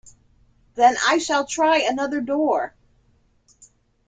Then I shall try another door.